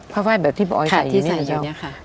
ผ้าไฟแบบที่ป้าอ๋อยใส่อยู่นี่นะเจ้าค่ะที่ใส่อยู่นี่ค่ะ